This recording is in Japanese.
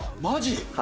マジ⁉